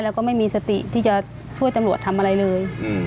แล้วก็ไม่มีสติที่จะช่วยตำรวจทำอะไรเลย